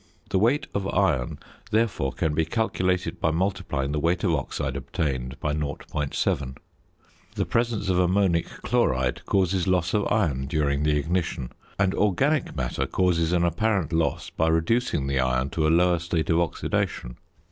The weight of iron therefore can be calculated by multiplying the weight of oxide obtained by 0.7. The presence of ammonic chloride causes loss of iron during the ignition, and organic matter causes an apparent loss by reducing the iron to a lower state of oxidation.